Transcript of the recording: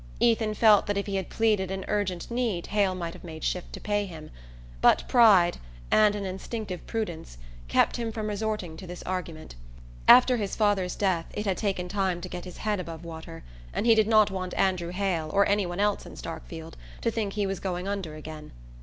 Ethan felt that if he had pleaded an urgent need Hale might have made shift to pay him; but pride, and an instinctive prudence, kept him from resorting to this argument. After his father's death it had taken time to get his head above water, and he did not want Andrew Hale, or any one else in Starkfield, to think he was going under again.